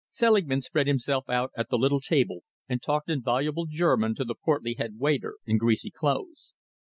Selingman spread himself out at the little table and talked in voluble German to the portly head waiter in greasy clothes.